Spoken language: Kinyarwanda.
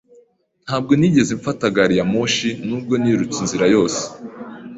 Ntabwo nigeze mfata gari ya moshi, nubwo nirutse inzira yose.